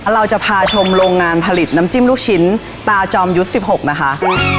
เราจะพาชมโรงงานผลิตน้ำจิ้มลูกชิ้นตาจอมยุทธ์๑๖นะคะ